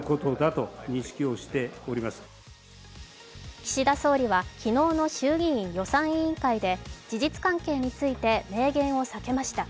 岸田総理は昨日の衆議院予算委員会で事実関係について明言を避けました。